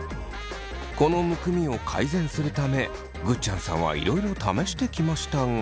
このむくみを改善するためぐっちゃんさんはいろいろ試してきましたが。